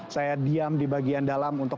saya diam di bagian dalam untuk